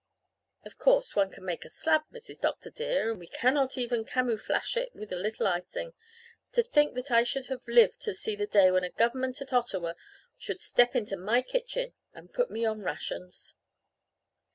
Of course one can make a slab, Mrs. Dr. dear. And we cannot even camooflash it with a little icing! To think that I should have lived to see the day when a government at Ottawa should step into my kitchen and put me on rations!'